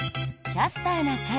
「キャスターな会」。